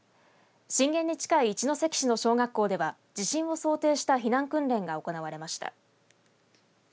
震源に近い一関市での小学校では地震を想定した避難訓練が行われました。